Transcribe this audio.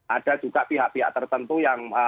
ada juga pihak pihak tertentu yang